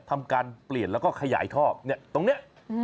ทำการเปลี่ยนแล้วก็ขยายท่อเนี่ยตรงนี้